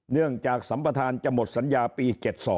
เนื่องจากสัมประธานจะหมดสัญญาปี๗๒